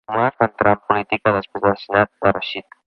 Omar va entrar en política després de l'assassinat de Rashid.